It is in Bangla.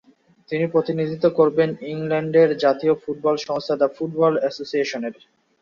তিনি প্রতিনিধিত্ব করবেন ইংল্যান্ডের জাতীয় ফুটবল সংস্থা দ্য ফুটবল অ্যাসোসিয়েশনের।